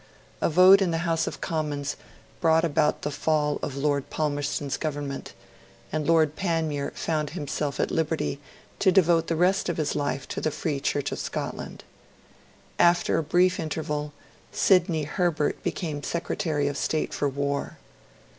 A vote in the House of Commons brought about the fall of Lord Palmerston's Government, and, Lord Panmure found himself at liberty to devote the rest of his life to the Free Church of Scotland. After a brief interval, Sidney Herbert became Secretary of State for War.